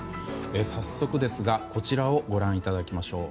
早速ですがこちらをご覧いただきましょう。